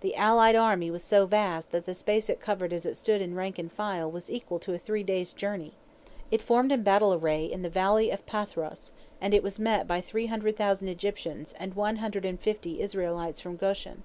The allied army was so vast that the space it covered as it stood in rank and file was equal to a three days' journey. It formed in battle array in the Valley of Pathros, and it was met by three hundred thousand Egyptians and one hundred and fifty Israelites from Goshen.